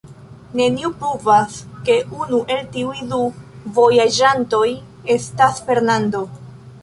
Nenio pruvas, ke unu el tiuj du vojaĝantoj estas Fernando.